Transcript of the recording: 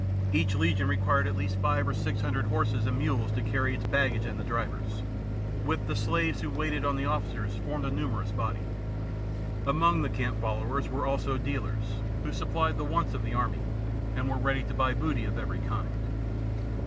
Each legion required at east five or six hundred horses and mules to :arry its baggage ;^ and the drivers, with the )laves who waited on the officers, formed a numerous body. Among the camp followers were also dealers, who supplied the wants of the army, and were ready to buy booty of every kind.